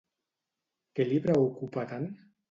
Què li preocupa tant?